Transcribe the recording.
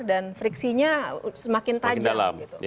dan friksinya semakin tajam